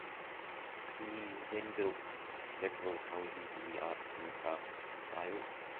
He then built several houses in the Arts and Crafts style.